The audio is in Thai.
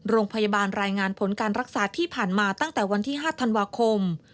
โรงพยาบาลรายงานผลการรักษาที่ผ่านมาตั้งแต่วันที่๕ธันวาคม